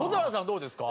どうですか？